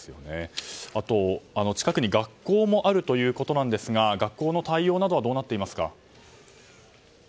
あと近くに学校もあるということなんですが学校の対応などはどうなっていますか。